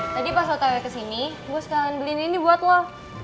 tadi pas waktu kesini gue sekalian beliin ini buat lo